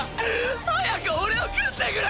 早くオレを食ってくれ！！